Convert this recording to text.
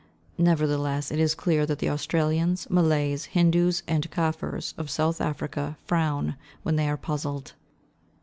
Nevertheless, it is clear that the Australians, Malays, Hindoos, and Kafirs of South Africa frown, when they are puzzled.